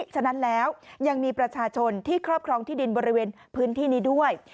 ฉะนั้นแล้วยังมีประชาชนที่ครอบครองที่ดินบริเวณพื้นที่นี้ด้วย